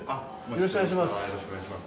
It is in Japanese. よろしくお願いします。